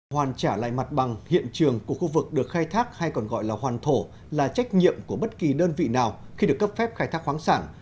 hoàn trả lại mặt bằng hiện trường của khu vực được khai thác hay còn gọi là hoàn thổ là trách nhiệm của bất kỳ đơn vị nào khi được cấp phép khai thác khoáng sản